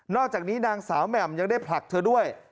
อกจากนี้นางสาวแหม่มยังได้ผลักเธอด้วย